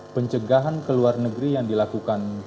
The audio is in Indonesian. pencegahan ke luar negeri yang dilakukan